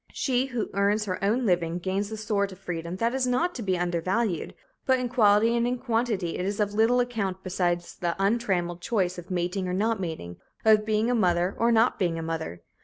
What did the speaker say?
She who earns her own living gains a sort of freedom that is not to be undervalued, but in quality and in quantity it is of little account beside the untrammeled choice of mating or not mating, of being a mother or not being a mother.